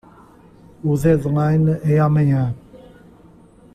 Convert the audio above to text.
O deadline é amanhã.